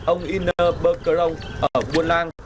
ông inner bergeron ở buôn lan